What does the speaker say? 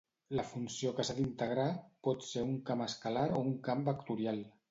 La funció que s'ha d'integrar pot ser un camp escalar o un camp vectorial.